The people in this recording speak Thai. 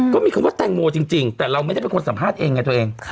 ก็มีคำว่าแตงโมจริงแต่เราไม่ได้เป็นคนสัมภาษณ์เองไงตัวเอง